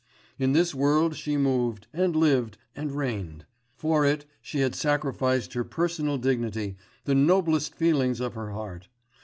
In this world she moved, and lived, and reigned; for it, she had sacrificed her personal dignity, the noblest feelings of her heart....